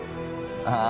ああ？